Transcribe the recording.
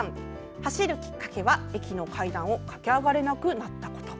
走るきっかけは、駅の階段を駆け上がれなくなったこと。